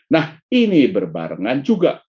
nah ini berbarengan juga